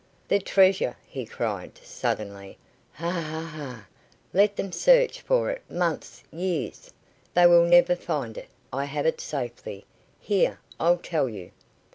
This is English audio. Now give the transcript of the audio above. "The treasure," he cried, suddenly. "Ha ha ha! Let them search for it months years. They will never find it. I have it safely. Here. I'll tell you."